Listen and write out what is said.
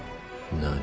何？